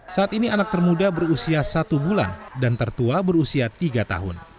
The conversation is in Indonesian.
saat ini anak termuda berusia satu bulan dan tertua berusia tiga tahun